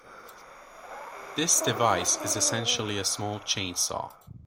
This device is essentially a small chainsaw.